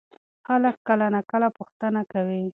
خلک کله ناکله پوښتنه کوي.